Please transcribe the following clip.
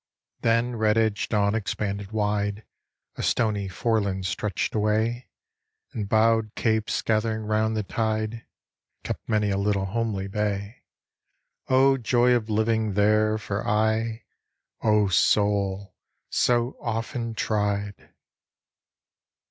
Then red edged dawn expanded wide, A stony foreland stretched away, And bowed capes gathering round the tide Kept many a little homely bay. O joy of living there for aye, O Soul so often tried!